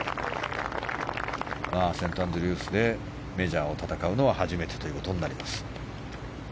セントアンドリュースでメジャーを戦うのは初めてとなります。